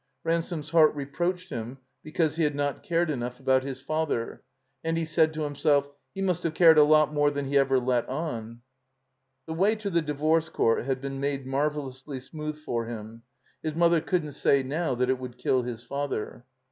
Ransome's heart reproached him because he had not cared enough about his father. And he said to himself, "He must have cared a lot more than he ever let on." The way to the Divorce Court had been made marvelously smooth for him. His mother couldn't say now that it would kill his father.